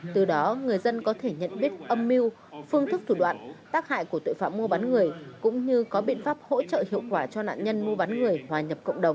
từ đó người dân có thể nhận biết âm mưu phương thức thủ đoạn tác hại của tội phạm mua bán người cũng như có biện pháp hỗ trợ hiệu quả cho nạn nhân mua bán người hòa nhập cộng đồng